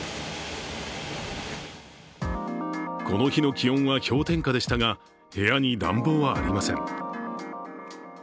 この日の気温は氷点下でしたが、部屋に暖房はありません。